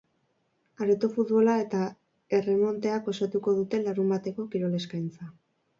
Areto futbola eta erremonteak osatuko dute larunbateko kirol eskaintza.